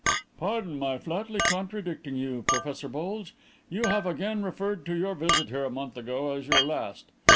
"Pardon my flatly contradicting you, Professor Bulge. You have again referred to your visit here a month ago as your last.